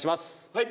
はい！